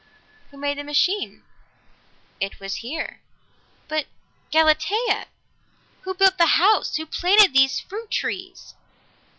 "Who made the machine?" "It was here." "But Galatea! Who built the house? Who planted these fruit trees?"